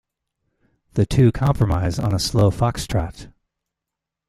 The two compromise on a slow fox-trot.